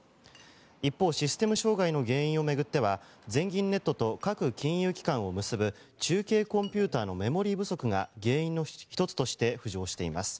一方システム障害の原因を巡っては全銀ネットと各金融機関を結ぶ中継コンピューターのメモリー不足が原因の１つとして浮上しています。